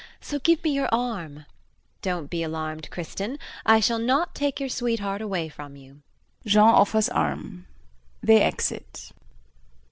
So, give me your arm! Don't be alarmed, Kristin, I shall not take your sweetheart away from you. [Jean offers arm. They exit.